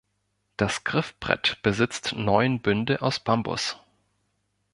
Das Griffbrett besitzt neun Bünde aus Bambus.